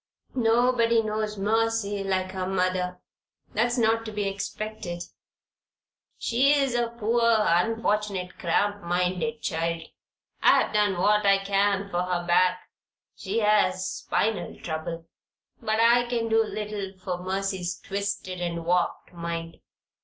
"Nobody knows Mercy like her mother. That's not to be expected. She's a poor, unfortunate, cramp minded child. I've done what I can for her back she has spinal trouble; but I can do little for Mercy's twisted and warped mind.